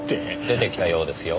出てきたようですよ。